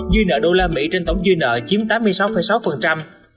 dư nợ usd trên tổng dư nợ chiếm tám mươi sáu sáu